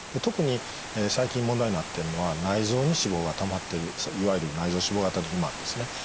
特に最近問題になってるのは内臓に脂肪がたまってるいわゆる内臓脂肪型の肥満ですね。